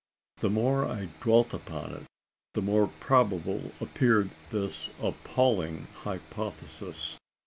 The more I dwelt upon it, the more probable appeared this appalling hypothesis.